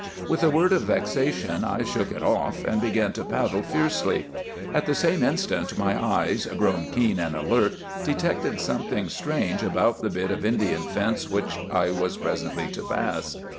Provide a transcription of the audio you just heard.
With a word of vexation I shook it off, and began to paddle fiercely. At the same instant my eyes, grown keen and alert, detected something strange about the bit of Indian fence which I was presently to pass.